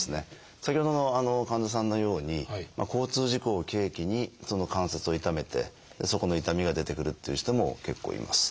先ほどの患者さんのように交通事故を契機にその関節を痛めてそこの痛みが出てくるっていう人も結構います。